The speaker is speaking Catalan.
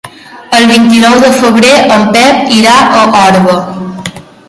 El vint-i-nou de febrer en Pep irà a Orba.